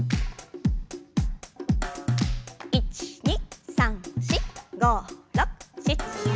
１２３４５６７８。